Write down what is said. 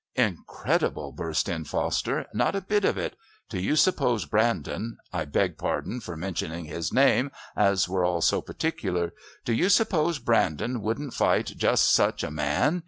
"Incredible!" burst in Foster. "Not a bit of it! Do you suppose Brandon I beg pardon for mentioning his name, as we're all so particular do you suppose Brandon wouldn't fight just such a man?